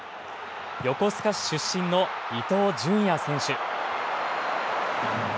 横須賀市出身の伊東純也選手。